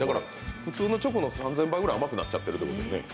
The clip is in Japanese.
普通のチョコの３０００倍くらい甘くなっちゃっているということ？